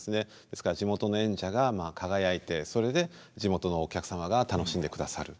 ですから地元の演者がまあ輝いてそれで地元のお客様が楽しんでくださる。